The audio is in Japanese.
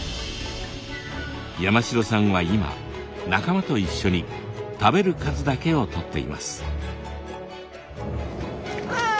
山城さんは今仲間と一緒に食べる数だけをとっています。わ！